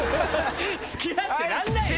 付き合ってらんないよ。